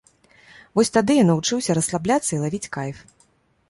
Вось тады я навучыўся расслабляцца і лавіць кайф.